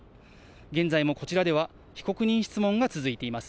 現在もこちらでは、被告人質問が続いています。